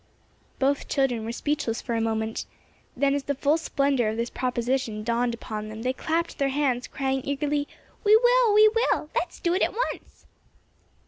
Both children were speechless for a moment, then as the full splendor of this proposition dawned upon them they clapped their hands, crying eagerly: "We will! we will! Let's do it at once."